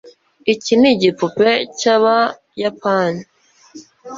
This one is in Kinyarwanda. iki nigipupe cyabayapani